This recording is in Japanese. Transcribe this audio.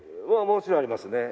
もちろんありますね。